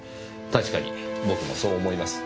確かに僕もそう思います。